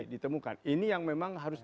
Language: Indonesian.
ditemukan ini yang memang harus